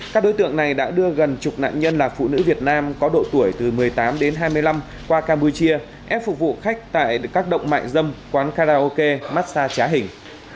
các đối tượng này đã đưa gần chục nạn nhân là phụ nữ việt nam có độ tuổi từ một mươi tám đến hai mươi năm qua campuchia ép phục vụ khách tại các động mại dâm quán karaoke massage trá hình